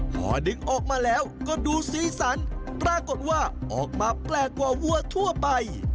พอดึงออกมาแล้วก็ดูสีสันปรากฏว่าออกมาแปลกกว่าวัวทั่วไป